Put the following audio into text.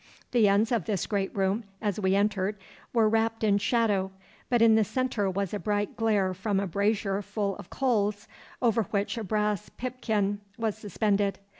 The ends of this great room, as we entered, were wrapped in shadow, but in the centre was a bright glare from a brazier full of coals, over which a brass pipkin was suspended.